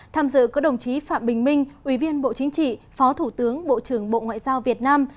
tham dự có đồng chí phạm bình minh ủy viên bộ chính trị phó thủ tướng bộ trưởng bộ ngoại giao việt nam